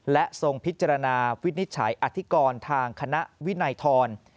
และทรงพิจารณาวินิจฉัยอธิกรทางคณะวินัยทร